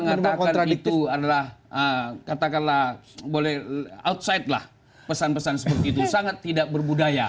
mengatakan itu adalah katakanlah boleh outside lah pesan pesan seperti itu sangat tidak berbudaya